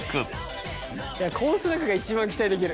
コーンスナックが一番期待できる。